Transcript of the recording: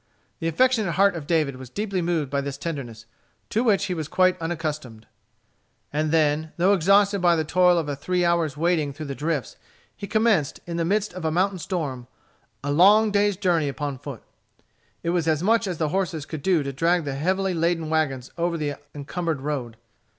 The affectionate heart of David was deeply moved by this tenderness, to which he was quite unaccustomed. And then, though exhausted by the toil of a three hours' wading through the drifts, he commenced, in the midst of a mountain storm, a long day's journey upon foot. It was as much as the horses could do to drag the heavily laden wagons over the encumbered road.